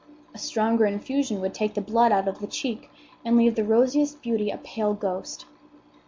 A stronger infusion would take the blood out of the cheek, and leave the rosiest beauty a pale ghost."